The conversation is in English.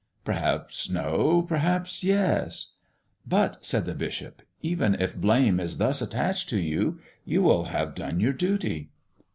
"Perhaps no. Perhaps yes." "But," said the bishop, "even if blame is attached to you, you will have done your duty."